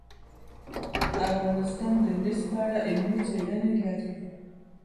افغانستان د مس په اړه علمي څېړنې لري.